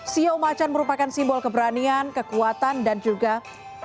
xiu macan merupakan simbol keberanian kekuatan dan juga rehat